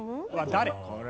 誰？